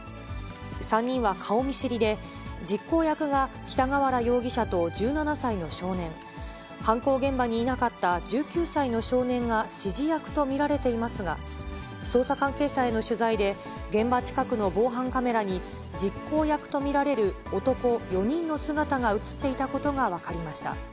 ３人は顔見知りで、実行役が北河原容疑者と１７歳の少年、犯行現場にいなかった１９歳の少年が指示役と見られていますが、捜査関係者への取材で、現場近くの防犯カメラに、実行役と見られる男４人の姿が写っていたことが分かりました。